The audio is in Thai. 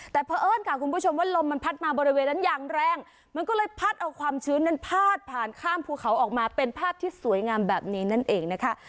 แต่เพราะเอิ้นค่ะคุณผู้ชมว่าลมมันพัดมาบริเวณนั้นอย่างแรงมันก็เลยพัดเอาความชื้นนั้นพาดผ่านข้ามภูเขาออกมาเป็นภาพที่สวยงามแบบนี้นั่นเองนะคะ